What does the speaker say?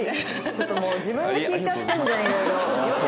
ちょっともう自分で聞いちゃってるじゃん色々。